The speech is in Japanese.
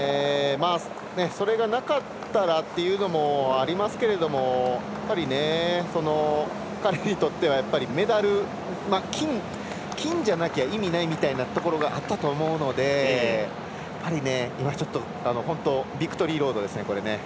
それがなかったらというのもありますけれども彼にとってはメダル金じゃなきゃ意味ないみたいなところがあったと思うのでビクトリーロードですね。